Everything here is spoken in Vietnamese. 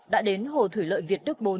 đã đến hồ thủy lợi việt đức bốn